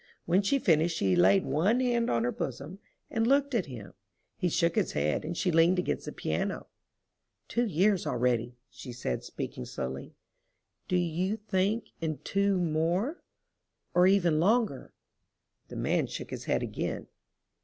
When she finished she laid one hand on her bosom and looked at him. He shook his head, and she leaned against the piano. "Two years already," she said, speaking slowly—"do you think in two more—or even longer?" The man shook his head again.